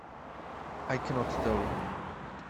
I cannot tell you.